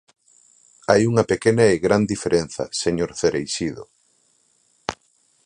Hai unha pequena e gran diferenza, señor Cereixido.